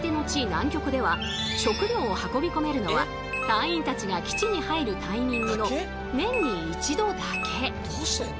南極では食料を運びこめるのは隊員たちが基地に入るタイミングの年に一度だけ。